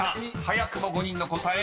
早くも５人の答え